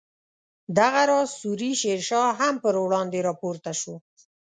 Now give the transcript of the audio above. دغه راز سوري شیر شاه هم پر وړاندې راپورته شو.